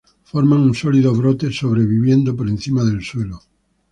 Forman un sólido brote sobreviviendo por encima del suelo.